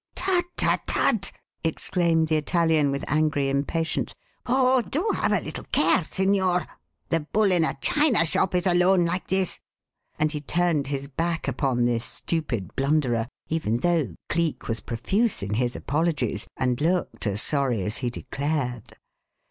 tut! tut! tut!" exclaimed the Italian with angry impatience. "Oh, do have a little care, signor! The bull in a china shop is alone like this." And he turned his back upon this stupid blunderer, even though Cleek was profuse in his apologies, and looked as sorry as he declared.